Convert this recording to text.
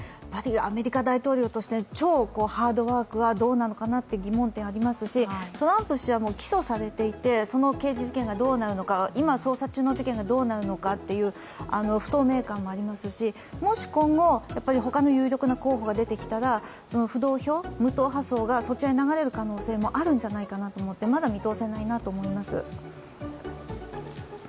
アメリカ大統領として超ハードワークはどうなのかなと疑問点がありますし、トランプ氏は起訴されていて、その刑事事件がどうなるのか今、捜査中の事件がどうなるのかという不透明感もありますしもし今後他の優良な候補が出てきたら浮動票、無党派票がそちらに流れる可能性もあるんじゃないかと思ってまだ見通せないなと思います。